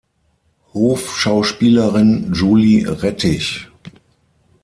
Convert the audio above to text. Hofschauspielerin Julie Rettich.